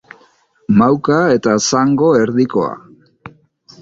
Mauka eta zango erdikoa.